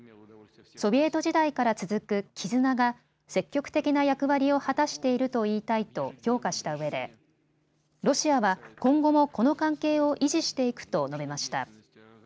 ソビエト時代から続く絆が積極的な役割を果たしていると言いたいと評価したうえでロシアは今後もこの関係を維持していくと述べました。